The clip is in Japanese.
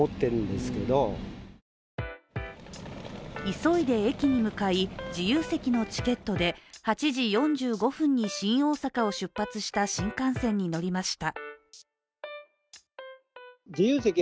急いで駅に向かい、自由席のチケットで８時４５分に新大阪を出発した新幹線に乗りました。